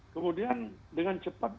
kemudian dengan cepat